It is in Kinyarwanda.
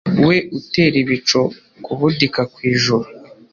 We utera ibicu kubudika ku ijuru